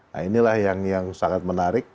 nah inilah yang sangat menarik